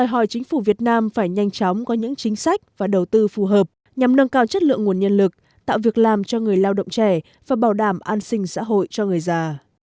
đòi hỏi chính phủ việt nam phải nhanh chóng có những chính sách và đầu tư phù hợp nhằm nâng cao chất lượng nguồn nhân lực tạo việc làm cho người lao động trẻ và bảo đảm an sinh xã hội cho người già